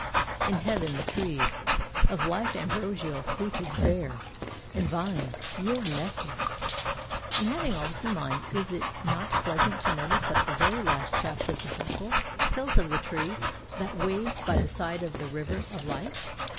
In heaven the trees Of life ambrosial fruitage bear, and vines Yield nectar. And, having all this in mind, is it not pleasant to notice that the very last chapter of the Bible tells of the tree that waves by the side of the river of life?